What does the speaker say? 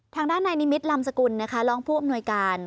ทางด้านนายนิมิตรลำสกุลนะคะรองผู้อำนวยการ